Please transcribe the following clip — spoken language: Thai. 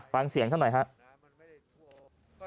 ฟังเสียงท่านหน่อยครับ